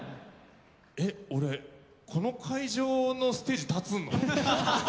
俺、この会場のステージ立つの？って。